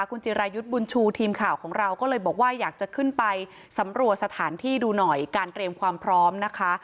คุณจิรายุทธ์บุญชูทีมข่าวของเราก็เลยบอกว่าอยากจะขึ้นไปสำรวจสถานที่ดูหน่อยการเตรียมความพร้อมนะคะ